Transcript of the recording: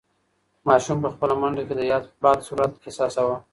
ماشوم په خپله منډه کې د باد سرعت احساساوه.